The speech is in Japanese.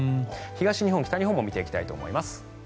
東日本、北日本も見ていきたいと思います。